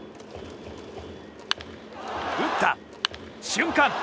打った瞬間。